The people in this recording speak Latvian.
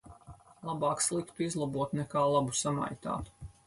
Labāk sliktu izlabot nekā labu samaitāt.